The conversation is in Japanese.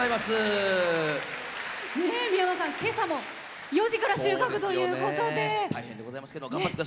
今朝も４時から収穫ということで。